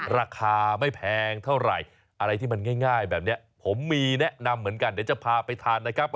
ราคาไม่แพงเท่าไหร่อะไรที่มันง่ายแบบนี้ผมมีแนะนำเหมือนกันเดี๋ยวจะพาไปทานนะครับ